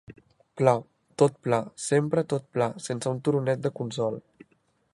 Pla, tot pla; sempre tot pla, sense un turonet de consol